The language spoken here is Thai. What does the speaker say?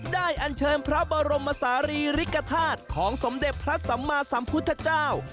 อันเชิญพระบรมศาลีริกฐาตุของสมเด็จพระสัมมาสัมพุทธเจ้า